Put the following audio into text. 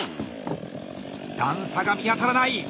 段差が見当たらない！